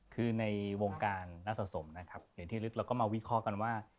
คือในวงการนักสะสมนะครับอย่างที่ลึกเราก็มาวิเคราะห์กันว่า